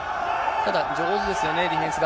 ただ、上手ですよね、ディフェンスが。